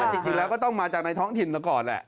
จริงแล้วก็ต้องมาจากในท้องถิ่นมาก่อนแหละ